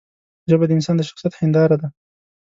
ژبه د انسان د شخصیت هنداره ده